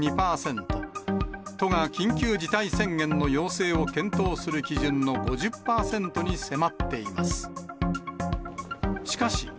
都が緊急事態宣言の要請を検討する基準の５０％に迫っています。